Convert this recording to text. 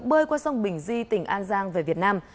bơi qua sông bình di tỉnh an giang về việt nam